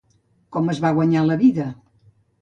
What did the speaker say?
Com es va guanyar la vida?